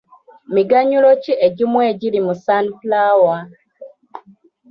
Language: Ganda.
Miganyulo ki egimu egiri mu sunflower?